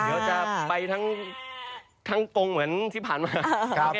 เดี๋ยวจะไปทั้งกลมาที่ผ่านมา